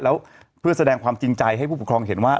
แล้วเพื่อแสดงความจริงใจให้ผู้ปกครองเห็นว่า